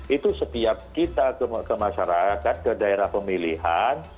itu setiap kita ke masyarakat ke daerah pemilihan